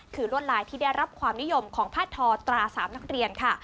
คือลวดลายที่ได้รับความนิยมของผ้าทอตรา๓นักเรียนค่ะ